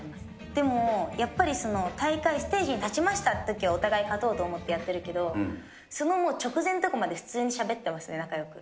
でもやっぱり大会、ステージに立ちましたってときに、お互い勝とうと思ってやってるけど、そのもう直前とかまで普通にしゃべってますね、仲よく。